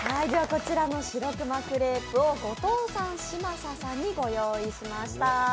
こちらのシロクマクレープを後藤さん、嶋佐さんにご用意しました。